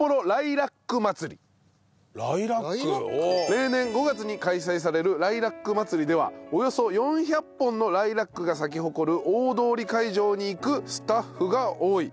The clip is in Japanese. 例年５月に開催されるライラックまつりではおよそ４００本のライラックが咲き誇る大通会場に行くスタッフが多い。